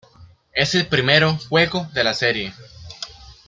Es el primero juego de la Serie.